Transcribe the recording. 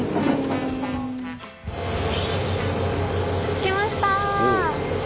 着きました！